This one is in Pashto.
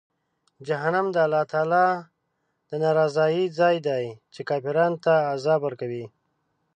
جهنم د الله تعالی د ناراضۍ ځای دی، چې کافرانو ته عذاب ورکوي.